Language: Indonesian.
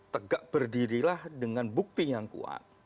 tegak berdirilah dengan bukti yang kuat